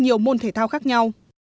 có thể dùng môn thể thao khác nhau